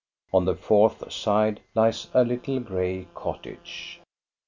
On the fourth side lies a little gray cottage.